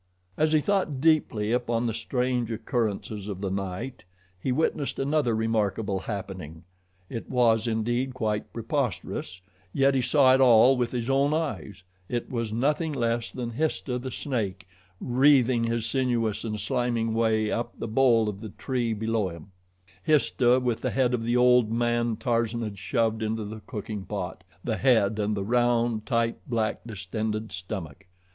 As he thought deeply upon the strange occurrences of the night, he witnessed another remarkable happening. It was indeed quite preposterous, yet he saw it all with his own eyes it was nothing less than Histah, the snake, wreathing his sinuous and slimy way up the bole of the tree below him Histah, with the head of the old man Tarzan had shoved into the cooking pot the head and the round, tight, black, distended stomach.